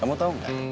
kamu tau nggak